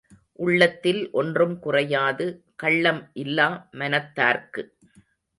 உள்ளத்தில் ஒன்றும் குறையாது, கள்ளம் இல்லா மனத்தார்க்கு.